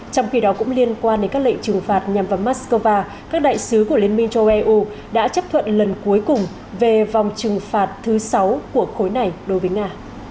trong khi đó cũng liên quan đến các lệnh trừng phạt nhằm vào moscow các đại sứ của liên minh châu âu đã chấp thuận lần cuối cùng về vòng trừng phạt thứ sáu của khối này đối với nga